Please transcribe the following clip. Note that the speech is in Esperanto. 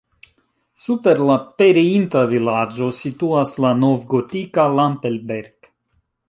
Super la pereinta vilaĝo situas la novgotika Lampelberg.